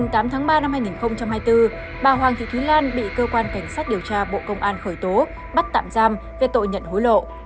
ngày tám tháng ba năm hai nghìn hai mươi bốn bà hoàng thị thúy lan bị cơ quan cảnh sát điều tra bộ công an khởi tố bắt tạm giam về tội nhận hối lộ